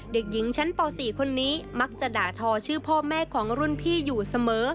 เด็กหญิงชั้นป๔คนนี้มักจะด่าทอชื่อพ่อแม่ของรุ่นพี่อยู่เสมอ